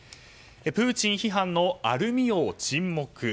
プーチン批判のアルミ王沈黙。